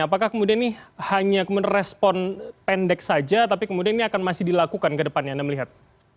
apakah kemudian ini hanya respon pendek saja tapi kemudian ini akan masih dilakukan ke depannya anda melihat